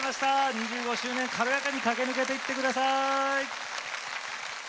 ２５周年、軽やかに駆け抜けていってください！